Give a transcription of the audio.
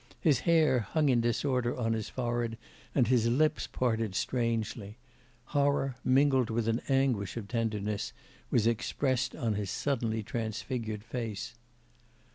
His hair hung in disorder on his forehead and his lips parted strangely. Horror, mingled with an anguish of tenderness, was expressed on his suddenly transfigured face.